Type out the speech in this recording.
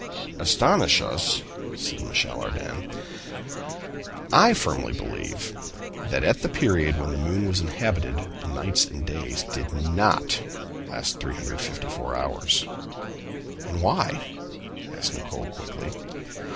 "Astonish us?" said Michel Ardan. "I firmly believe that at the period when the moon was inhabited, the nights and days did not last 354 hours!" "And why?" asked Nicholl quickly.